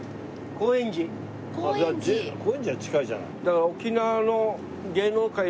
高円寺は近いじゃない。